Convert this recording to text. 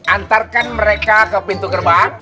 antarkan mereka ke pintu gerbang